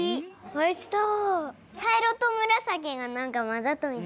おいしそう。